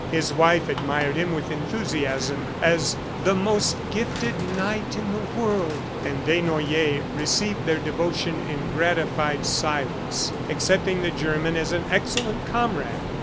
His wife admired him with enthusiasm as "the most gifted knight in the world." And Desnoyers received their devotion in gratified silence, accepting the German as an excellent comrade.